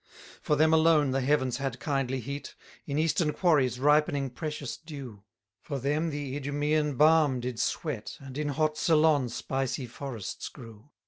3 For them alone the heavens had kindly heat; In eastern quarries ripening precious dew: For them the Idumæan balm did sweat, And in hot Ceylon spicy forests grew.